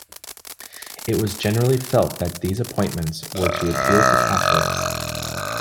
It was generally felt that these appointments were to appeal to Catholics.